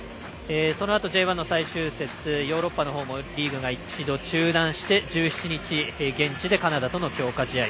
そのあと、Ｊ１の最終節ヨーロッパのリーグも一度中断して１７日に現地でカナダとの強化試合。